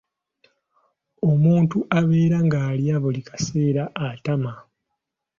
Omuntu abeera ng'alya buli kaseera atama.